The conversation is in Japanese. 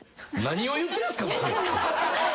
何を言ってんすかマジで。